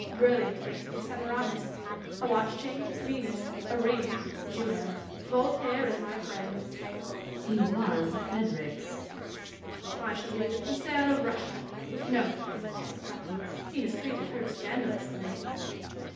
A brilliant makes me Semiramis ; a watch chain, Venus ; a ring, Juno. Voltaire is my friend. Dashkof. He was Frederick's. Catharine. I shall be the Pucelle of Russia. No ! I had forgotten ; he has treated her scandalously.